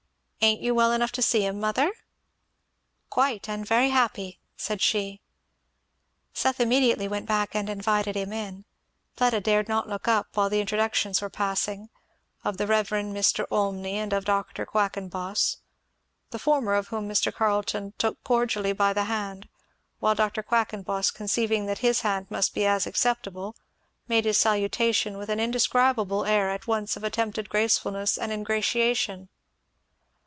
"Ain't you well enough to see him, mother?" "Quite and very happy," said she. Seth immediately went back and invited him in. Fleda dared not look up while the introductions were passing, of "the Rev. Mr. Olmney," and of "Dr. Quackenboss," the former of whom Mr. Carleton took cordially by the hand, while Dr. Quackenboss conceiving that his hand must be as acceptable, made his salutation with an indescribable air at once of attempted gracefulness and ingratiation.